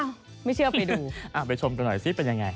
ไม่เชื่อไปดูไปชมกันหน่อยสิเป็นยังไง